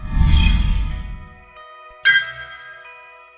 hãy đăng ký kênh để ủng hộ kênh của mình nhé